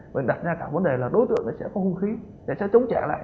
mình đặt ra cả vấn đề là đối tượng nó sẽ có vũ khí nó sẽ chống trả lại